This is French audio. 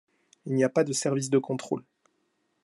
Il n'y a pas de service de contrôle.